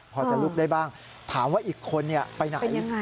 พอจะลุกได้บ้างถามว่าอีกคนไปไหน